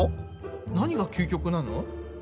何が究極なの？